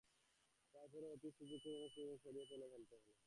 তার পরও অতীত খুঁড়ে সেই ম্যাচের স্মৃতি থেকে ধুলো সরিয়ে ফেলতে হলো।